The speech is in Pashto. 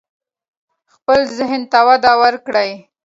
خپل ذهن ته وده ورکړئ.